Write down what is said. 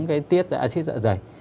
cái tiết dạ dày